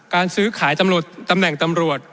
ซื้อขายตำแหน่งตำรวจ